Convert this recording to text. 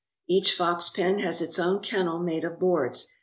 Each fox pen has its own kennel made of boards.